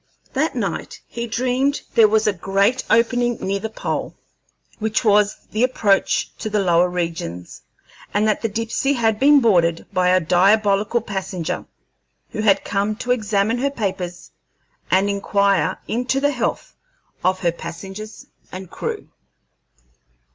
That night he dreamed that there was a great opening near the pole, which was the approach to the lower regions, and that the Dipsey had been boarded by a diabolical passenger, who had come to examine her papers and inquire into the health of her passengers and crew.